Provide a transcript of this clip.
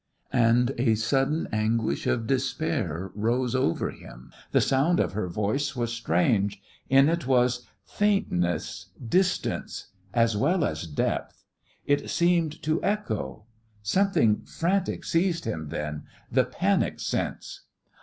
And a sudden anguish of despair rose over him; the sound of her voice was strange; in it was faintness, distance as well as depth. It seemed to echo. Something frantic seized him then the panic sense.